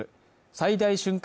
最大瞬間